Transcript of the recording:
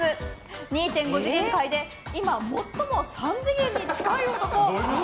２．５次元界で今最も３次元に近い男。